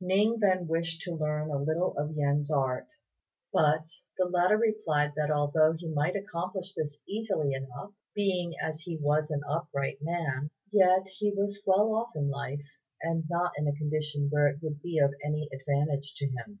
Ning then wished to learn a little of Yen's art; but the latter replied that although he might accomplish this easily enough, being as he was an upright man, yet he was well off in life, and not in a condition where it would be of any advantage to him.